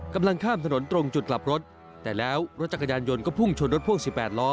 กำลังข้ามถนนตรงจุดกลับรถแต่แล้วรถจักรยานยนต์ก็พุ่งชนรถพ่วง๑๘ล้อ